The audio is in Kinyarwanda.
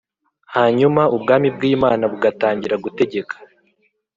hanyuma Ubwami bw Imana bugatangira gutegeka